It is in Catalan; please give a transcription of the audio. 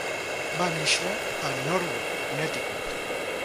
Va néixer a Norwich, Connecticut.